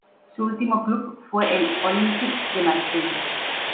Su último club fue el Olympique de Marsella.